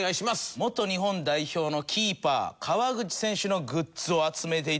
元日本代表のキーパー川口選手のグッズを集めていた。